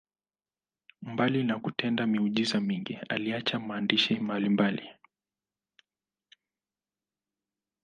Mbali na kutenda miujiza mingi, aliacha maandishi mbalimbali.